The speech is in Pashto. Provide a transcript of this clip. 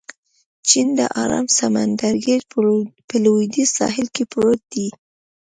چین د ارام سمندرګي په لوېدیځ ساحل کې پروت دی.